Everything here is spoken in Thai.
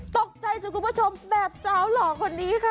ตกใจสิคุณผู้ชมแบบสาวหล่อคนนี้ค่ะ